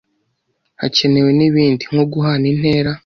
hakenewe n'ibindi nko guhana intera,